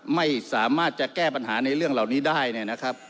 ไม่สามารถจะแก้ปัญหาในเรื่องเหล่านี้ได้